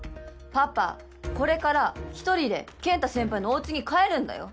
パパこれから１人で健太先輩のおうちに帰るんだよ